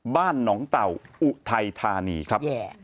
บ้านหนองเต่าอุทัยธานีครับ